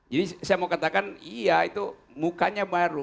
saya mau katakan iya itu mukanya baru